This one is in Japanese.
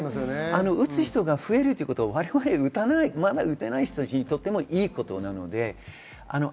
打つ人が増えるということはまだ打てない人たちにとってもいいことです。